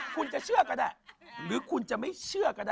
คุณจะเชื่อกันหรือคุณจะไม่เชื่อกัน